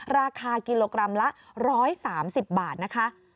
ราคากิโลกรัมละ๑๓๐บาทนะคะ